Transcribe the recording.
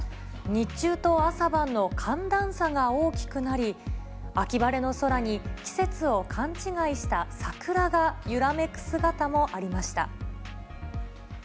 日中と朝晩の寒暖差が大きくなり、秋晴れの空に、季節を勘違いした桜が揺らめく姿もありました。